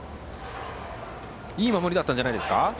いい守りだったんじゃないですか。